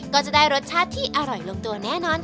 ก็จะได้รสชาติที่อร่อยลงตัวแน่นอน